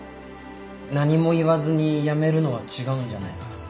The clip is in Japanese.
何も言わずに辞めるのは違うんじゃないかな。